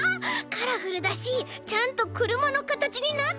カラフルだしちゃんとくるまのかたちになってる。